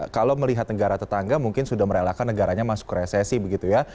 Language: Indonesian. kalau melihat negara tetangga mungkin sudah merelakan negaranya masuk ke resesi begitu ya